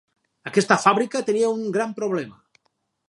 Aquesta fàbrica tenia un gran problema.